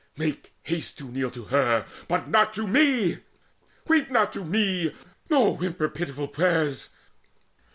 Make haste to kneel to her but not to me! Weep not to me, nor whimper pitiful prayers!